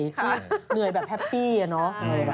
เหนื่อยแบบแฮปปี้อะเนาะ